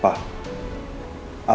seandainya reina itu anak kamu